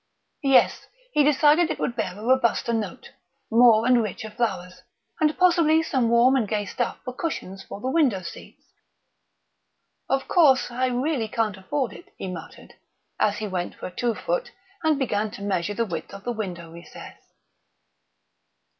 Yes, decidedly it would bear a robuster note more and richer flowers, and possibly some warm and gay stuff for cushions for the window seats.... "Of course, I really can't afford it," he muttered, as he went for a two foot and began to measure the width of the window recesses....